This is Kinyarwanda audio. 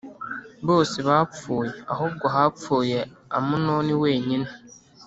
bose bapfuye ahubwo hapfuye Amunoni wenyine